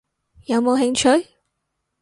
有冇興趣？